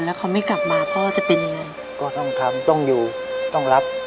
แล้วเขาไม่กลับมาพ่อจะเป็นยังไงก็ต้องทำต้องอยู่ต้องรับ